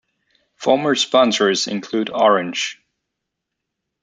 Former sponsors include Orange.